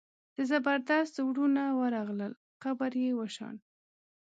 د زبردست وروڼه ورغلل قبر یې وشان.